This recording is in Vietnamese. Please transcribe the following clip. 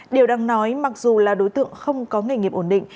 điều đang nói mặc dù là đối tượng không có nghề nghiệp ổn định